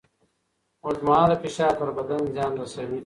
اوږدمهاله فشار پر بدن زیان رسوي.